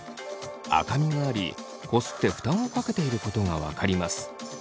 赤みがありこすって負担をかけていることが分かります。